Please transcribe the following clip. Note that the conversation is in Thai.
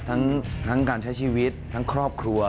ทั้งการใช้ชีวิตทั้งครอบครัว